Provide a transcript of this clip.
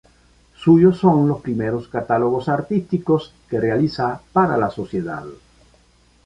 Suyos son los primeros catálogos artísticos que realiza para la sociedad.